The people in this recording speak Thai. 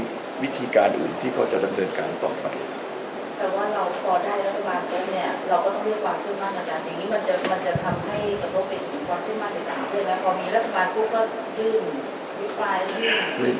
มันจะทำให้กับพวกเป็นความเชื่อมั่นต่างจากนี้แล้วพอมีรัฐบาลพวกก็ยื่ม